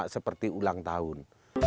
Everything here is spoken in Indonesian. seperti ulang tahun